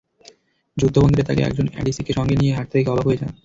যুদ্ধবন্দীরা তাঁকে একজন এডিসিকে সঙ্গে নিয়ে হাঁটতে দেখে অবাক হয়ে যান।